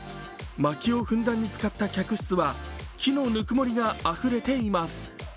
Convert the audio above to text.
まきをふんだんに使った客室は木のぬくもりがあふれています。